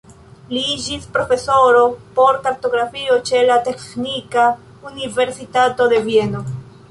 Li iĝis profesoro por kartografio ĉe la Teĥnika Universitato de Vieno.